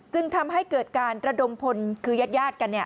จึงทำให้เกิดการระดมพลคือญาติกัน